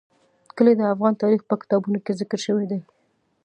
کلي د افغان تاریخ په کتابونو کې ذکر شوی دي.